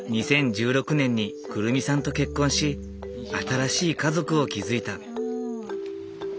２０１６年に来未さんと結婚し新しい家族を築いた。